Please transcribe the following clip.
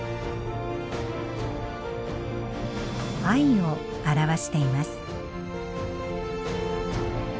を表しています。